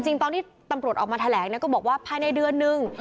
จริงตอนที่ตำรวจออกมาแถลงก็บอกว่าภายในเดือนนึง